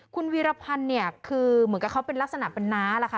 คุณวีรพันธ์เนี่ยคือเหมือนกับเขาเป็นลักษณะเป็นน้าล่ะค่ะ